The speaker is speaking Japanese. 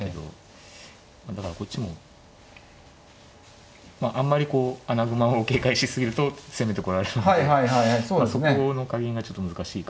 だからこっちもまああんまりこう穴熊を警戒し過ぎると攻めてこられるのでそこの加減がちょっと難しかったですけどね。